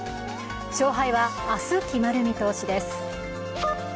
勝敗は明日決まる見通しです。